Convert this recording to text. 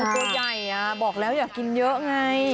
ตัวใหญ่บอกแล้วอยากกินเยอะไง